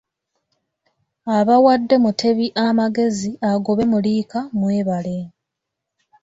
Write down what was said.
Abawadde Mutebi amagezi agobe Muliika mwebale!